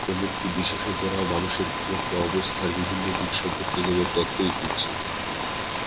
এমনকি বিশেষজ্ঞরাও মানুষের ঘুমন্ত অবস্থার বিভিন্ন দিক সম্পর্কে কেবল তত্ত্বই দিচ্ছেন।